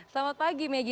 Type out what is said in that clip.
selamat pagi megi